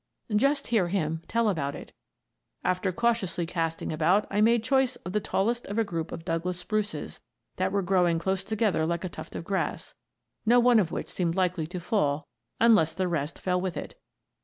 Just hear him tell about it: "After cautiously casting about I made choice of the tallest of a group of Douglas spruces that were growing close together like a tuft of grass, no one of which seemed likely to fall unless the rest fell with it.